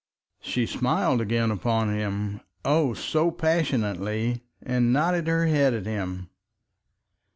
She smiled again upon him, oh! so passionately, and nodded her head at him.